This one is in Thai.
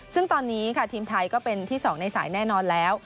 ซึ่งตอนนี้ค่ะทีมไทยก็เป็นที่๒ในสายแน่นอนแล้ว